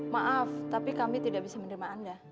maaf tapi kami tidak bisa menerima anda